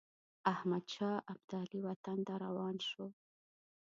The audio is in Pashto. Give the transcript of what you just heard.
احمدشاه ابدالي وطن ته روان شو.